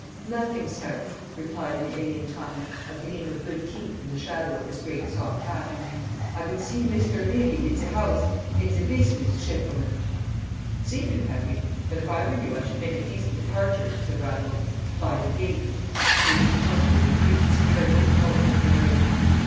"Nutting, sare!" replied an alien tongue, a gleam of good teeth in the shadow of his great soft hat. "I been see Mistare Le vie in ze 'ouse, on ze beezness, shentlemen." "Seen him, have you? Then if I were you I should make a decent departure," said Raffles, "by the gate " to which he pointed with increased severity of tone and bearing.